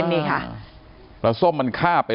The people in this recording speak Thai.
ที่มีข่าวเรื่องน้องหายตัว